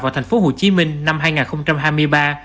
vào thành phố hồ chí minh năm hai nghìn hai mươi ba